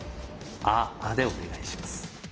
ア．アでお願いします。